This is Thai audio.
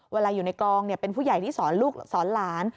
เวลาอยู่ในกองเป็นผู้ใหญ่ที่สอนลูกสอนหลาน